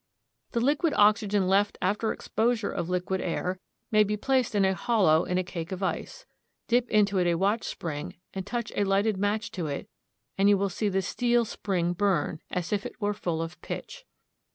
The liquid oxygen left after exposure of liquid air may be placed in a hollow in a cake of ice. Dip into it a watch spring and touch a lighted match to it and you will see the steel spring burn as if it were full of pitch.